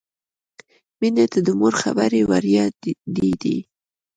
مینې ته د مور خبرې وریادېدې